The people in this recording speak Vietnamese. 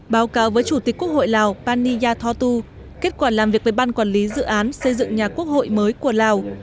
báo cáo với chủ tịch quốc hội lào pani yathotu kết quả làm việc với ban quản lý dự án xây dựng nhà quốc hội mới của lào